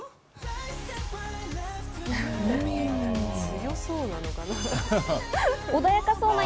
強そうなのかな？